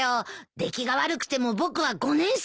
出来が悪くても僕は５年生だからね。